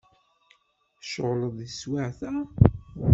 Tceɣleḍ deg teswiɛt-a?